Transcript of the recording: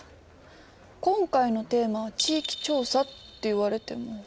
今回のテーマは「地域調査」って言われても。